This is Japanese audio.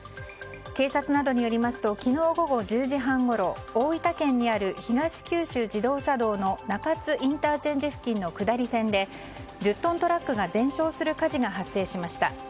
警察などによりますと昨日午後１０時半ごろ大分県にある東九州自動車道の中津ＩＣ付近の下り線で１０トントラックが全焼する火事が発生しました。